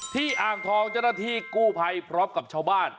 อ่างทองเจ้าหน้าที่กู้ภัยพร้อมกับชาวบ้าน